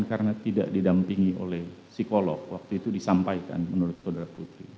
karena tidak didampingi oleh psikolog waktu itu disampaikan menurut saudara putri